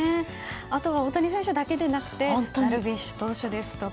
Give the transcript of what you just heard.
あとは、大谷選手だけでなくてダルビッシュ投手ですとか。